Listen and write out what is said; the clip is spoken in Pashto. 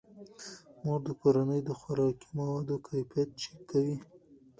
مور د کورنۍ د خوراکي موادو کیفیت چک کوي.